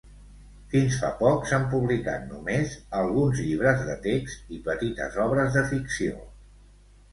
Fins fa poc s'han publicat només alguns llibres de text i petites obres de ficció.